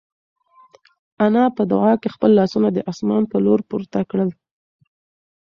انا په دعا کې خپل لاسونه د اسمان په لور پورته کړل.